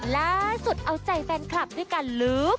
ล่าสุดเอาใจแฟนคลับด้วยการลื้อ